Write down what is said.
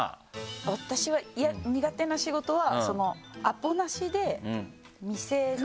私は苦手な仕事は。